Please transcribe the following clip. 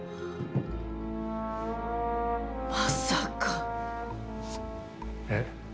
まさか⁉え？